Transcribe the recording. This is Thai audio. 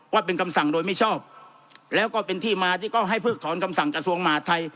ว่าเป็นคำสั่งโดยไม่ชอบแล้วก็เป็นที่มาที่เขาให้เพิกถอนคำสั่งกระทรวงมหาดไทย